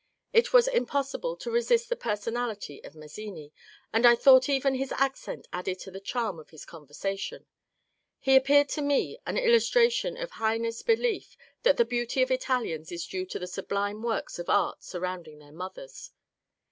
It was impossible to resist the personality of Mazzini, and I thought even his accent added to the charm of his conversation. He appeared to me an illustration of Heine's belief that the beauty of Italians is due to the sublime works of art surrounding their mothers.